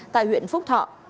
tại huyện phúc thọ